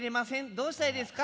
どうしたらいいですか？